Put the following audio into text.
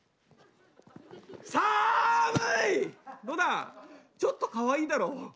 どうだちょっとかわいいだろう。